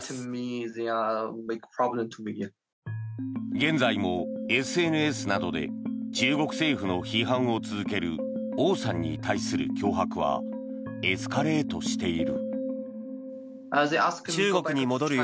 現在もＳＮＳなどで中国政府の批判を続けるオウさんに対する脅迫はエスカレートしている。